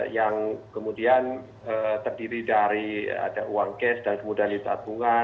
yang kemudian terdiri dari ada uang cash dan kemudian lipat bunga